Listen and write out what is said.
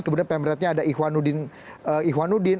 kemudian pemerintahnya ada ikhwanuddin